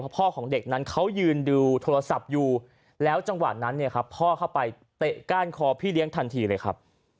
พ่อของเด็กนั้นเขายืนดูโทรศัพท์อยู่แล้วจังหวะนั้นเนี่ยครับพ่อเข้าไปเตะก้านคอพี่เลี้ยงทันทีเลยครับ